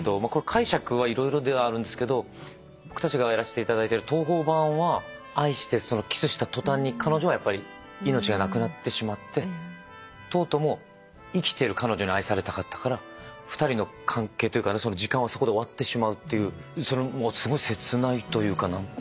僕たちがやらせていただいてる東宝版は愛してキスした途端に彼女はやっぱり命がなくなってしまってトートも生きてる彼女に愛されたかったから２人の関係というか時間はそこで終わってしまうというそのすごい切ないというか何というか。